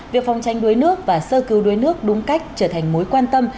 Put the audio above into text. việc phòng tranh đuối nước và sơ cứu đuối nước đúng cách trở thành mối quan tâm